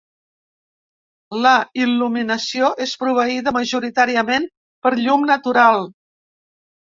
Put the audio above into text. La il·luminació és proveïda majoritàriament per llum natural.